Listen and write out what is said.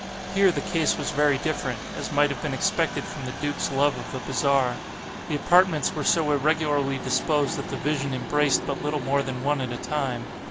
Here the case was very different; as might have been expected from the duke's love of the bizarre. The apartments were so irregularly disposed that the vision embraced but little more than one at a time.